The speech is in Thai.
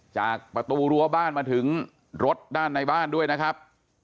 จากประตูรั้วบ้านมาถึงรถด้านในบ้านด้วยนะครับ